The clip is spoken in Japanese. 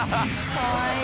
かわいい。